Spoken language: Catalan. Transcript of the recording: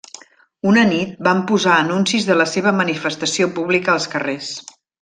Una nit, van posar anuncis de la seva manifestació pública als carrers.